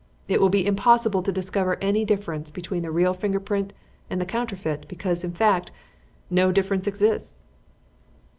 It will be impossible to discover any difference between the real finger print and the counterfeit because, in fact, no difference exists."